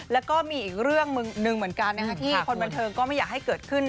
แล้วก็มีอีกเรื่องหนึ่งเหมือนกันที่คนบันเทิงก็ไม่อยากให้เกิดขึ้น